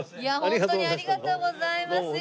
ホントにありがとうございます。